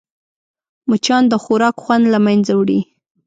مچان د خوراک خوند له منځه وړي